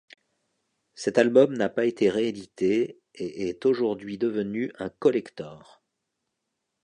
Cet album n'a pas été réédité et est aujourd'hui devenu un collector.